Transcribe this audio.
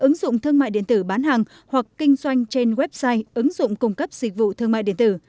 ứng dụng thương mại điện tử bán hàng hoặc kinh doanh trên website ứng dụng cung cấp dịch vụ thương mại điện tử